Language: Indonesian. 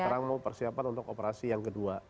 sekarang mau persiapan untuk operasi yang kedua